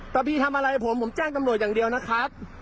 ถ้าพี่ทำอะไรผมผมแจ้งตำรวจอย่างเดียวนะครับ